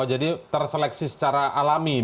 oh jadi terseleksi secara alami begitu ya